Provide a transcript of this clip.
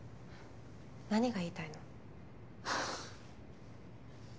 何が言いたいの？